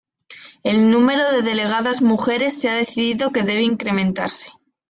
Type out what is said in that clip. El número de delegadas mujeres se ha decidido que debe incrementarse.